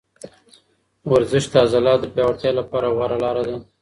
ورزش د عضلاتو د پیاوړتیا لپاره غوره لاره ده.